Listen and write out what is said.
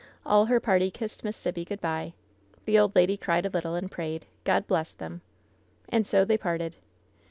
All her party kissed Miss Sibby good by. The old lady cried a little, and prayed: ''God bless them." And so they parted.